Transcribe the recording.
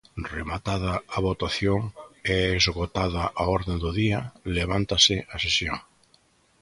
Rematada a votación e esgotada a orde do día, levántase a sesión.